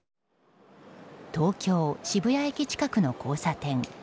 東京・渋谷駅近くの交差点。